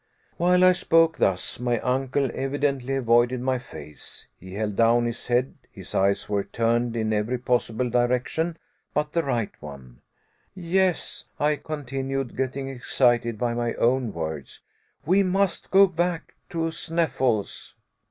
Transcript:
While I spoke thus, my uncle evidently avoided my face: he held down his head; his eyes were turned in every possible direction but the right one. "Yes," I continued, getting excited by my own words, "we must go back to Sneffels.